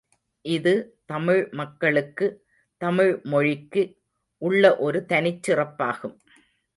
இது தமிழ் மக்களுக்கு, தமிழ் மொழிக்கு உள்ள ஒரு தனிச் சிறப்பாகும்.